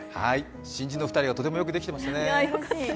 新人の２人がとてもよくできてましたね。